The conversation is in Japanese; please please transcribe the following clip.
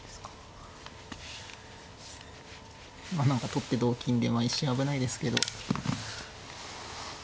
まあ何か取って同金で一瞬危ないですけど。